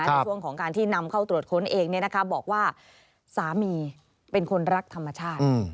ในช่วงของการที่นำเข้าตรวจค้นเองบอกว่าสามีเป็นคนรักธรรมชาติ